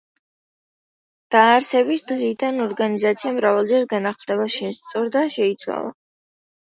დაარსების დღიდან, ორგანიზაცია მრავალჯერ განახლდა, შესწორდა და შეიცვალა.